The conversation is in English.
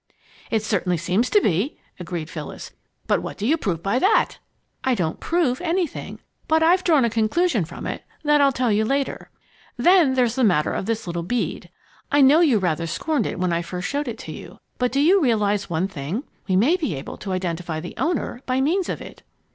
"It certainly seems to be," agreed Phyllis, "but what do you prove by that?" "I don't prove anything, but I've drawn a conclusion from it that I'll tell you later. Then, there's the matter of this little bead. I know you rather scorned it when I first showed it to you, but do you realize one thing? We may be able to identify the owner by means of it."